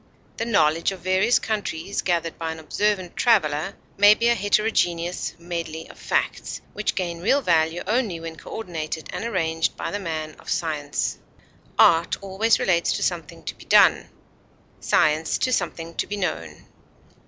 The knowledge of various countries gathered by an observant traveler may be a heterogeneous medley of facts, which gain real value only when coordinated and arranged by the man of science. Art always relates to something to be done, science to something to be known.